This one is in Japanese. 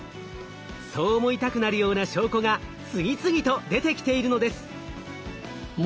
そう思いたくなるような証拠が次々と出てきているのです。